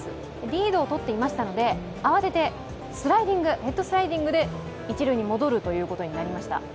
リードを取っていましたので慌ててヘッドスライディングで一塁に戻ることになりました。